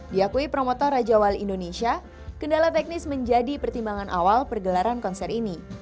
diakui promotor raja wali indonesia kendala teknis menjadi pertimbangan awal pergelaran konser ini